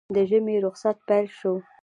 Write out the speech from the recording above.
د ژمي روخصت پېل شو